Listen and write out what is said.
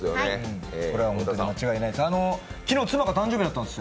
これは本当に間違いないです。